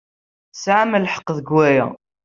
Tesɛam lḥeqq deg waya.